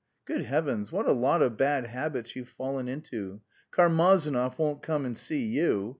Good Heavens, what a lot of bad habits you've fallen into! Karmazinov won't come and see you!